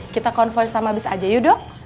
kita konvoi sama bis aja yuk dok